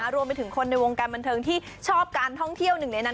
รวมไปถึงคนในวงการบันเทิงที่ชอบการท่องเที่ยวหนึ่งในนั้น